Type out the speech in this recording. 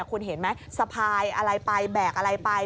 คุณเห็นไหมสะพายอะไรไปแบกอะไรไป